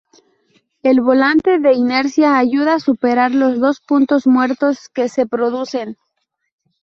El volante de inercia ayuda a superar los dos puntos muertos que se producen.